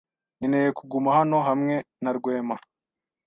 Nkeneye kuguma hano hamwe na Rwema.